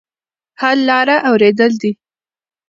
حل لاره اورېدل دي.